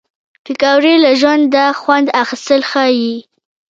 پکورې له ژونده خوند اخیستل ښيي